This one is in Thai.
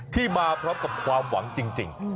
ที่มาพร้อมกับความหวังจริง